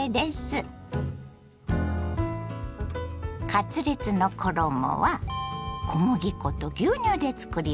カツレツの衣は小麦粉と牛乳でつくります。